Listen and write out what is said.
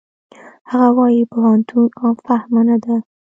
هغه وايي پوهنتون عام فهمه نه ده.